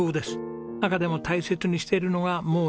中でも大切にしているのがもう